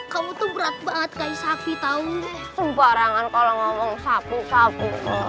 kamu tuh berat banget kayak sapi tahu